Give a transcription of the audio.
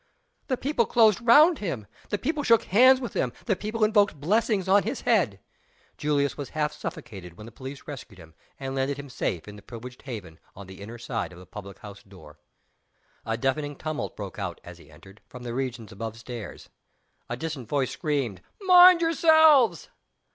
The people closed round him, the people shook hands with him, the people invoked blessings on his head. Julius was half suffocated, when the police rescued him, and landed him safe in the privileged haven on the inner side of the public house door. A deafening tumult broke out, as he entered, from the regions above stairs. A distant voice screamed, "Mind yourselves!"